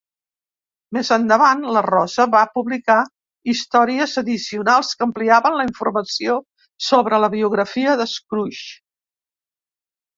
Més endavant, la Rosa va publicar històries addicionals que ampliaven la informació sobre la biografia de Scrooge.